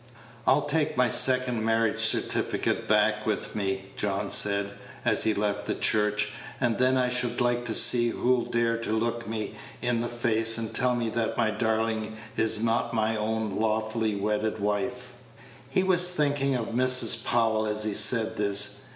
"I'll take my second marriage certificate back with me," John said, as he left the church, "and then I should like to see who'll dare to look me in the face, and tell me that my darling is not my own lawfully wedded wife." He was thinking of Mrs. Powell as he said this.